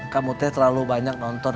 kamu teh terlalu banyak nonton